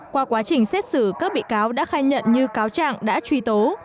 qua quá trình xét xử các bị cáo đã khai nhận như cáo trạng đã truy tố